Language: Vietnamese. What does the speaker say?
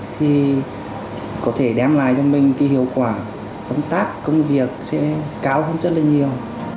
thì có thể đem lại cho mình cái hiệu quả công tác công việc sẽ cao hơn rất là nhiều